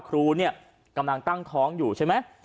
ครูเนี่ยกำลังตั้งท้องอยู่ใช่ไหม